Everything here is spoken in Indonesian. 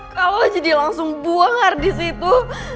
kalau jadi langsung buang ardis itu